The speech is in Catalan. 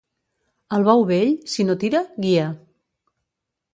El bou vell, si no tira, guia.